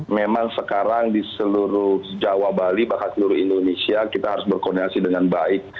memang sekarang di seluruh jawa bali bahkan seluruh indonesia kita harus berkoordinasi dengan baik